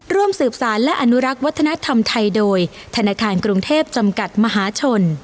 ร่วมสืบสารและอนุรักษ์วัฒนธรรมไทยโดยธนาคารกรุงเทพจำกัดมหาชน